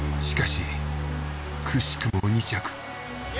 しかしくしくも２着。